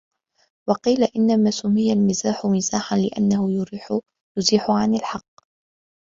وَقِيلَ إنَّمَا سُمِّيَ الْمِزَاحُ مِزَاحًا لِأَنَّهُ يُزِيحُ عَنْ الْحَقِّ